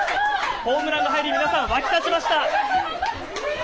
ホームランが入り、皆さん、沸き立ちました。